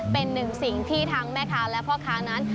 เป็นหนึ่งสิ่งที่ทั้งแม่ค้าและพ่อค้านั้น